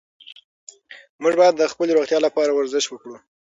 موږ باید د خپلې روغتیا لپاره ورزش وکړو.